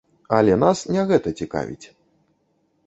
Але нас не гэта цікавіць.